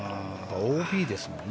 ＯＢですもんね。